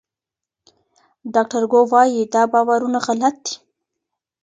ډاکټر ګو وايي دا باورونه غلط دي.